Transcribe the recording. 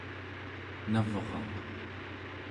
navraq